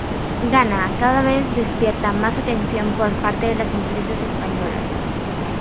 Ghana cada vez despierta más atención por parte de las empresas españolas.